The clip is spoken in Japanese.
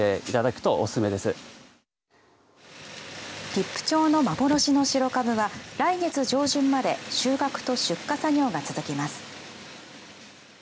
比布町の幻の白かぶは来月上旬まで収穫と出荷作業が続きます。